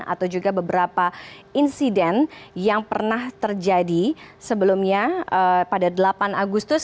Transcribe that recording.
atau juga beberapa insiden yang pernah terjadi sebelumnya pada delapan agustus